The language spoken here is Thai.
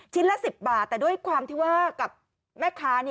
ละ๑๐บาทแต่ด้วยความที่ว่ากับแม่ค้า